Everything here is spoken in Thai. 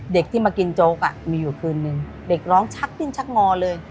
เด็กที่มากินโจ๊กมีอยู่คืนนึงเด็กร้องชักดิ้นชักงอเลย